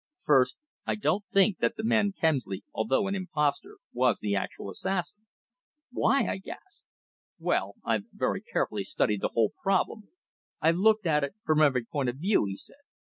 First, I don't think that the man Kemsley, although an impostor, was the actual assassin." "Why?" I gasped. "Well I've very carefully studied the whole problem. I've looked at it from every point of view," he said.